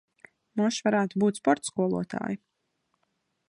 Moš varētu būt sporta skolotāja.